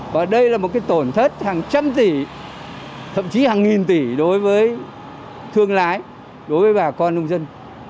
và đây là một cái tổn thất hàng trăm tỷ thậm chí hàng nghìn tỷ đối với thương lái đối với bà con nông dân